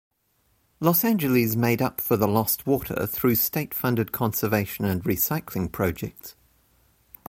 Los Angeles made up for the lost water through state-funded conservation and recycling projects.